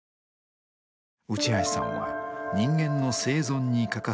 内橋さんは人間の生存に欠かせない